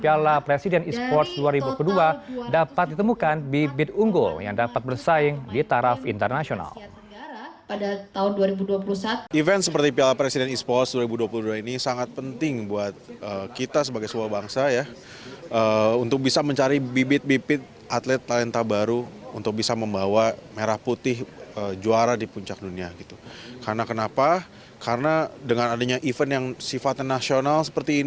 piala presiden e sports dua ribu dua puluh dua dapat ditemukan bibit unggul yang dapat bersaing di taraf internasional